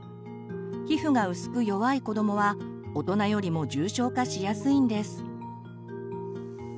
皮膚が薄く弱い子どもは大人よりも重症化しやすいんです。